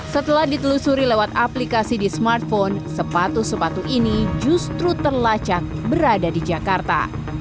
setelah ditelusuri lewat aplikasi di smartphone sepatu sepatu ini justru terlacak berada di jakarta